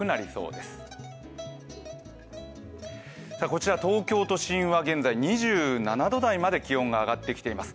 こちら、東京都心は現在２７度台まで気温が上がってきています